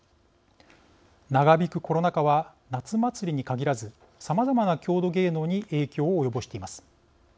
長引くコロナ禍は夏祭りに限らずさまざまな郷土芸能に影響を及ぼしています。